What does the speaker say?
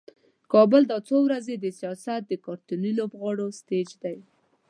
کابل دا څو ورځې د سیاست د کارتوني لوبغاړو سټیج دی.